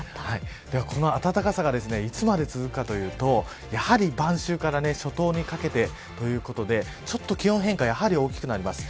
この暖かさがいつまで続くかというとやはり晩秋から初冬にかけてということで気温変化が大きくなります。